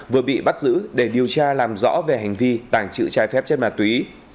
vừa bị bắt giữ để điều tra làm rõ về hành vi tàng trự trái phép chất mà tuý